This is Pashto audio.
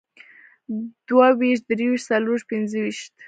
دوهويشت، دريويشت، څلرويشت، پينځهويشت